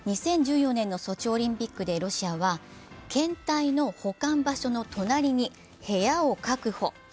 ２０１４年のソチオリンピックでロシアは検体の保管場所の隣に部屋を確保。